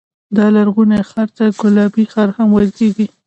دا لرغونی ښار ته ګلابي ښار هم ویل کېږي.